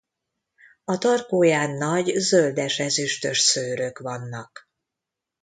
A tarkóján nagy zöldes-ezüstös szőrök vannak.